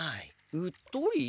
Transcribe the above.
うっとり？